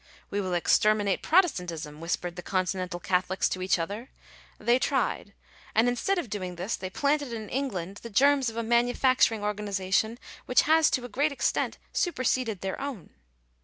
"We will exterminate Protestantism/' whispered the continental Catholics to each other : they tried ; and instead of doing this they planted in England the germs of a manufacturing organization which has to a great extent su perseded their own.